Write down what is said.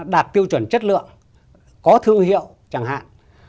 đạt tiêu chuẩn chất lượng có thương hiệu chẳng hạn